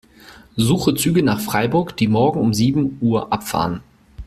Suche Züge nach Freiburg, die morgen um sieben Uhr abfahren.